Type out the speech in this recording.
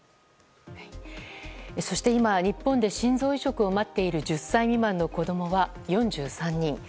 そして今、日本で心臓移植を待っている１０歳未満の子供は４３人。